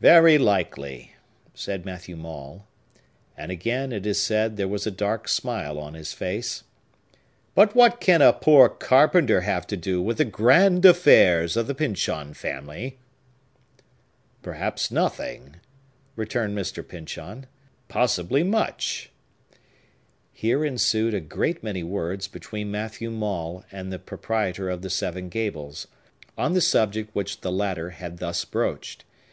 "Very likely," said Matthew Maule,—and again, it is said, there was a dark smile on his face,—"but what can a poor carpenter have to do with the grand affairs of the Pyncheon family?" "Perhaps nothing," returned Mr. Pyncheon, "possibly much!" Here ensued a great many words between Matthew Maule and the proprietor of the Seven Gables, on the subject which the latter had thus broached.